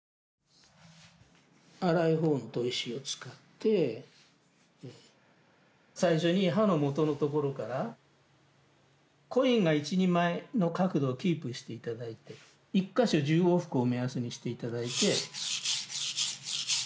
粗い方の砥石を使って最初に刃の元の所からコインが１２枚の角度をキープして頂いて１か所１０往復を目安にして頂いて。